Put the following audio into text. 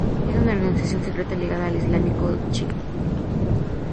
Era una organización secreta ligada al islamismo chií.